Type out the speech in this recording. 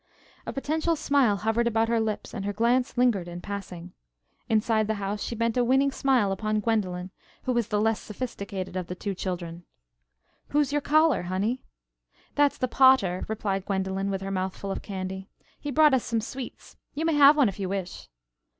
A potential smile hovered about her lips and her glance lingered in passing. Inside the house she bent a winning smile upon Gwendolen, who was the less sophisticated of the two children. "Who's your caller, honey?" "That's the pater," replied Gwendolen with her mouth full of candy. "He brought us some sweets. You may have one if you wish."